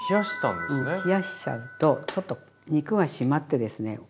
うん冷やしちゃうとちょっと肉がしまってですね